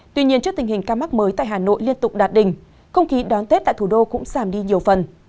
tuy nhiên trước tình hình ca mắc mới tại hà nội liên tục đạt đỉnh không khí đón tết tại thủ đô cũng giảm đi nhiều phần